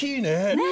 ねえ！